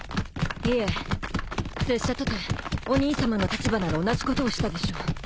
いえ拙者とてお兄さまの立場なら同じことをしたでしょう。